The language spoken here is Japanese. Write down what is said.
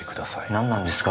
何なんですか？